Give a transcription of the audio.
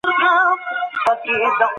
افغان ښځي خپلواکي سیاسي پریکړي نه سي کولای.